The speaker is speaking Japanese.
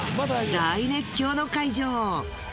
大熱狂の会場。